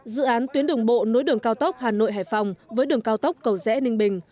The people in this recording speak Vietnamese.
dự án tuyến đường bộ nối đường cao tốc hà nội hải phòng với đường cao tốc cầu rẽ ninh bình